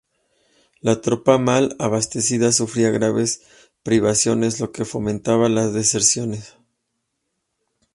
La tropa, mal abastecida, sufría graves privaciones, lo que fomentaba las deserciones.